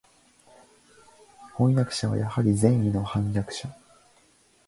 飜訳者はやはり善意の（まさか悪意のではあるまい）叛逆者